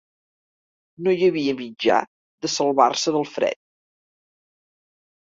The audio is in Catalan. No hi havia mitjà de salvar-se del fred.